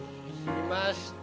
きました。